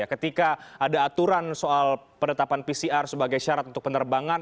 ketika ada aturan soal penetapan pcr sebagai syarat untuk penerbangan